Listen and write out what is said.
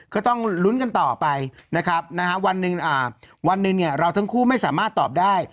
ก็ต้องลุ้นกันต่อไปนะครับวันหนึ่งวันหนึ่งเราทั้งคู่ไม่สามารถตอบได้